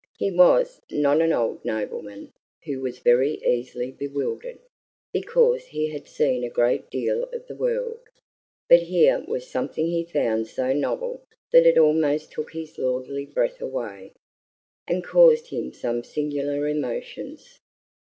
He was not an old nobleman who was very easily bewildered, because he had seen a great deal of the world; but here was something he found so novel that it almost took his lordly breath away, and caused him some singular emotions.